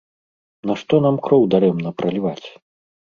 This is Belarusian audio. Нашто нам кроў дарэмна праліваць?